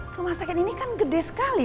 rumah sakit ini kan gede sekali